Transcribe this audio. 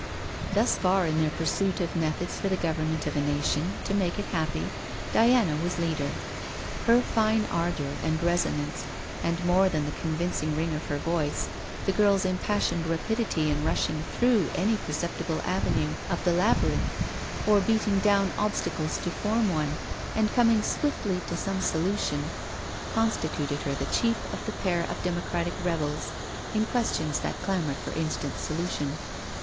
Thus far in their pursuit of methods for the government of a nation, to make it happy, Diana was leader. Her fine ardour and resonance, and more than the convincing ring of her voice, the girl's impassioned rapidity in rushing through any perceptible avenue of the labyrinth, or beating down obstacles to form one, and coming swiftly to some solution, constituted her the chief of the pair of democratic rebels in questions that clamoured for instant solution.